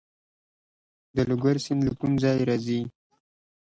د لوګر سیند له کوم ځای راځي؟